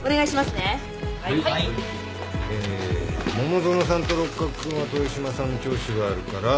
え桃園さんと六角君は豊島さん聴取があるから。